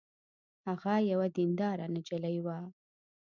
هغه یوه دینداره نجلۍ وه